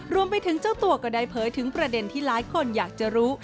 รวมไปถึงเจ้าตัวก็ได้เผยถึงประเด็นที่หลายคนอยากจะรู้